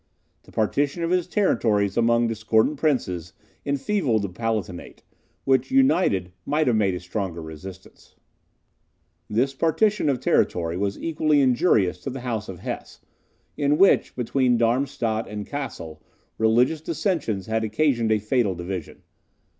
The partition of his territories among discordant princes, enfeebled the Palatinate, which, united, might have made a longer resistance. This partition of territory was equally injurious to the House of Hesse, in which, between Darmstadt and Cassel, religious dissensions had occasioned a fatal division.